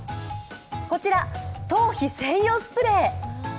こちら頭皮専用スプレー。